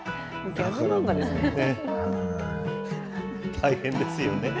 大変ですよね。